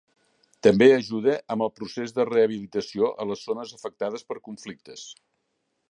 També ajuda amb el procés de rehabilitació a les zones afectades per conflictes.